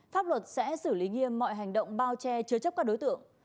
pháp luật sẽ xử lý nghiêm mọi hành động bao che chứa chấp các đối tượng